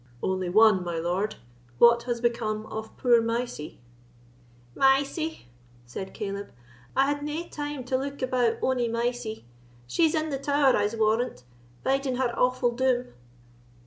"Only one, my lord. What has become of poor Mysie?" "Mysie!" said Caleb, "I had nae time to look about ony Mysie; she's in the Tower, I'se warrant, biding her awful doom."